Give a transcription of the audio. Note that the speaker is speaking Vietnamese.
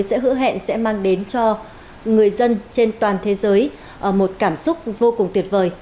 các đối tượng sẽ hữu hẹn sẽ mang đến cho người dân trên toàn thế giới một cảm xúc vô cùng tuyệt vời